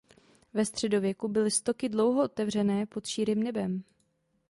Ve středověku byly stoky dlouho otevřené pod širým nebem.